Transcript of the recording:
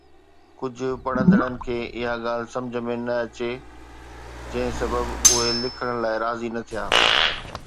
ڪجهه پڙهندڙن کي اها ڳالهه سمجهه ۾ نه اچي، جنهن سبب اهي لکڻ لاءِ راضي نه ٿيا